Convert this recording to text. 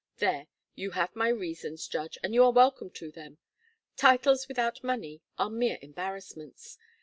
There! You have my reasons, judge, and you are welcome to them. Titles without money are mere embarrassments.